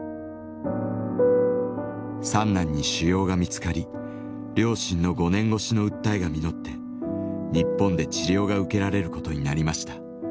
三男に腫瘍が見つかり両親の５年越しの訴えが実って日本で治療が受けられることになりました。